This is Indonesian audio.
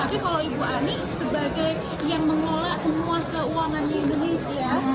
tapi kalau ibu ani sebagai yang mengelola semua keuangan di indonesia